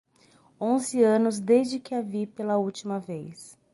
Onze anos desde que a vi pela última vez